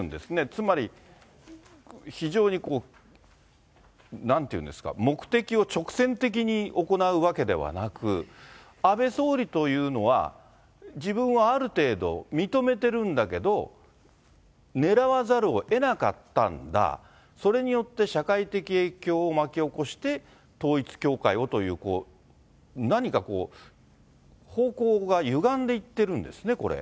つまり非常になんていうんですか、目的を直線的に行うわけではなく、安倍総理というのは、自分はある程度認めてるんだけど、狙わざるをえなかったんだ、それによって社会的影響を巻き起こして統一教会をという、何かこう、方向がゆがんでいってるんですね、これ。